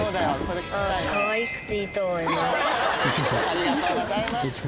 ありがとうございます。